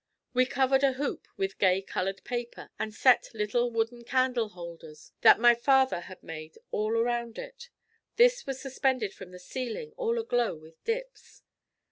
We covered a hoop with gay colored paper and set little wooden candle holders that my father had made all around it. This was suspended from the ceiling, all aglow with dips.